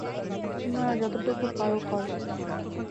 তোমরা যতটুকু পার, কর।